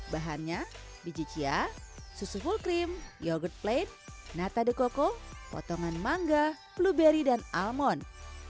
bahannya biji chia susu full cream yogurt plain nata de coco potongan mangga blueberry dan almond